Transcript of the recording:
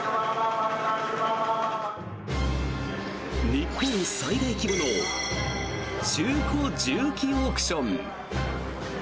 日本最大規模の中古重機オークション。